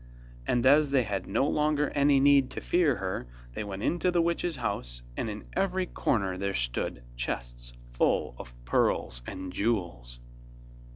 And as they had no longer any need to fear her, they went into the witch's house, and in every corner there stood chests full of pearls and jewels.